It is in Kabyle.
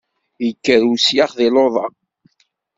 Yekker usyax di luḍa!